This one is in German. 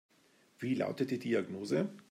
Wie lautet die Diagnose?